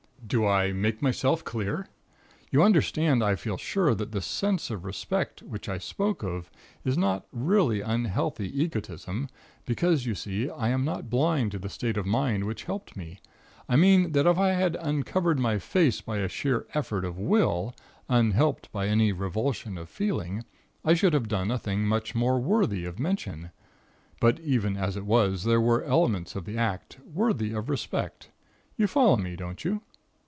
"Do I make myself clear? You understand, I feel sure, that the sense of respect, which I spoke of, is not really unhealthy egotism; because, you see, I am not blind to the state of mind which helped me. I mean that if I had uncovered my face by a sheer effort of will, unhelped by any revulsion of feeling, I should have done a thing much more worthy of mention. But, even as it was, there were elements in the act, worthy of respect. You follow me, don't you?